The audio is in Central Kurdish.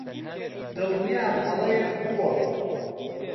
دڵنیام هەڵەیەک بووە.